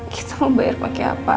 kita mau bayar pakai apa